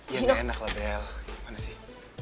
ya gak enak lah bel gimana sih